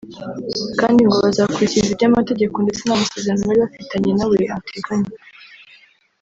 kandi ngo bazakurikiza ibyo amategeko ndetse n’amasezerano bari bafitanye nawe ateganya